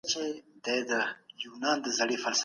هغوی پوه شول چې واک بدل شوی.